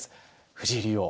藤井竜王